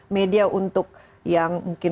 media untuk yang mungkin